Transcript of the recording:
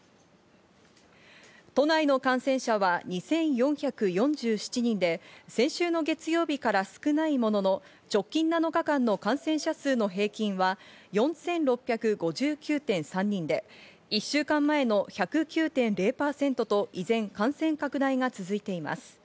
都内の感染者は２４４７人で、先週の月曜日から少ないものの、直近７日間の感染者数の平均は４６５９．３人で、１週間前の１０９．０％と依然、感染拡大が続いています。